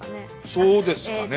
そうですかね。